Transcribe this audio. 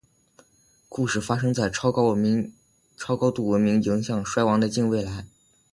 故事发生在超高度文明迎向衰亡的近未来。